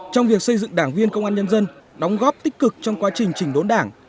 trong việc xây dựng đảng viên công an nhân dân đóng góp tích cực trong quá trình trình đốn đảng